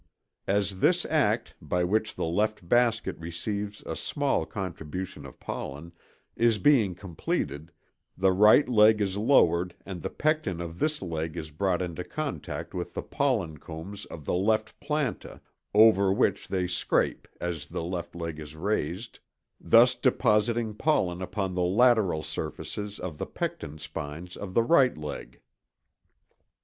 As this act, by which the left basket receives a small contribution of pollen, is being completed, the right leg is lowered and the pecten of this leg is brought into contact with the pollen combs of the left planta, over which they scrape as the left leg is raised, thus depositing pollen upon the lateral surfaces of the pecten spines of the right leg. (See fig.